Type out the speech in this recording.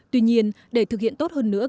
tuy nhiên để thực hiện tốt hơn nữa